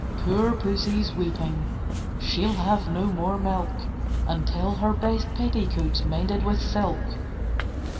Poor Pussy's weeping, she'll have no more milk Until her best petticoat 's mended with silk.